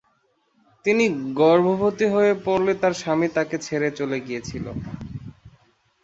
তিনি গর্ভবতী হয়ে পড়লে তার স্বামী তাকে ছেড়ে চলে গিয়েছিল।